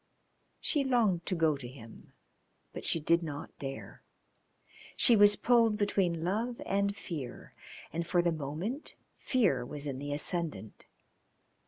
She longed to go to him, but she did not dare. She was pulled between love and fear, and for the moment fear was in the ascendant.